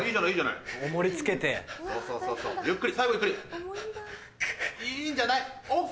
いいんじゃない？ＯＫ！